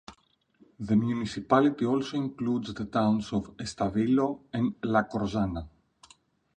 The municipality also includes the towns of Estavillo and Lacorzana.